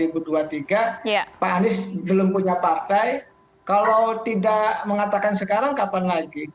pak anies belum punya partai kalau tidak mengatakan sekarang kapan lagi